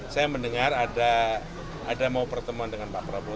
saya mendengar ada mau pertemuan dengan pak prabowo